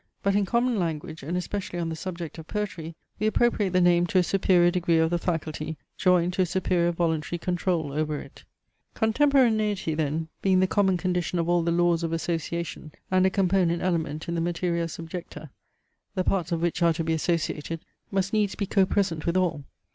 But, in common language, and especially on the subject of poetry, we appropriate the name to a superior degree of the faculty, joined to a superior voluntary control over it. Contemporaneity, then, being the common condition of all the laws of association, and a component element in the materia subjecta, the parts of which are to be associated, must needs be co present with all.